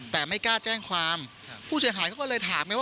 แต่ไม่กล้าแจ้งความผู้เสียหายเขาก็เลยถามไงว่า